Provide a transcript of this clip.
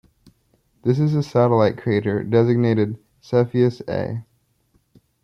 This is a satellite crater designated Cepheus A.